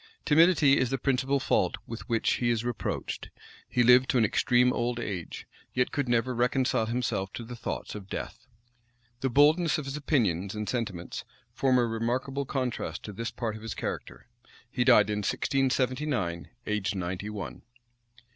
Timidity is the principal fault with which he is reproached; he lived to an extreme old age, yet could never reconcile himself to the thoughts of death. The boldness of his opinions and sentiments form a remarkable contrast to this part of his character. He died in 1679, aged ninety one.